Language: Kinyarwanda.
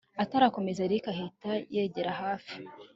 atarakomeza erick ahita yegera hafi